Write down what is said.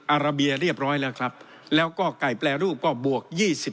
อาราเบียเรียบร้อยแล้วครับแล้วก็ไก่แปรรูปก็บวก๒๐